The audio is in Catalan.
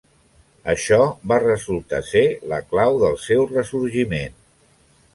Això va resultar ser la clau del seu ressorgiment.